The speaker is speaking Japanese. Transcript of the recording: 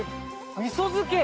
みそ漬け？